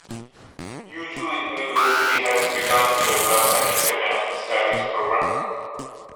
Yeoju University has begun to develop an international studies program.